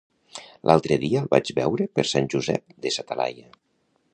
L'altre dia el vaig veure per Sant Josep de sa Talaia.